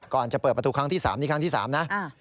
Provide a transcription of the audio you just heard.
ก่อนจะเปิดประตูครั้งที่๓นี่ครั้งที่๓นะ